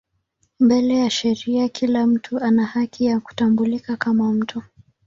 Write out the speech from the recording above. Mbele ya sheria kila mtu ana haki ya kutambulika kama mtu.